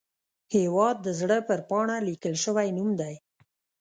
هیواد د زړه پر پاڼه لیکل شوی نوم دی